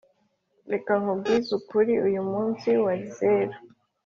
reka nkubwize ukuri uyu munsi wari zero